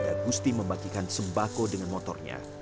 sekuat tenaga gusti membagikan sembako dengan motornya